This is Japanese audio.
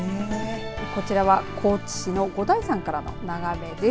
こちらは高知市の五台山からの眺めです。